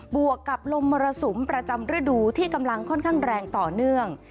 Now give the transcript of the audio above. วกกับลมมรสุมประจำฤดูที่กำลังค่อนข้างแรงต่อเนื่อง